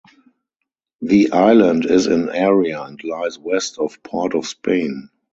The island is in area and lies west of Port of Spain.